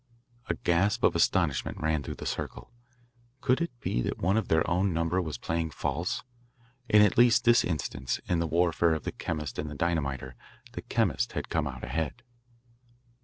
A gasp of astonishment ran through the circle. Could it be that one of their own number was playing false? In at least this instance in the warfare of the chemist and the dynamiter the chemist had come out ahead.